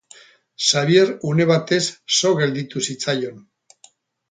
Xabier une batez so gelditu zitzaion.